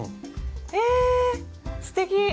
えすてき！